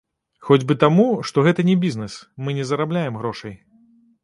Хоць бы таму, што гэта не бізнес, мы не зарабляем грошай.